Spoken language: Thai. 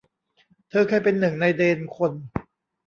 เธอเคยเป็นหนึ่งในเดนคน